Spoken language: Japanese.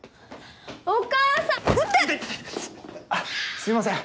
すいません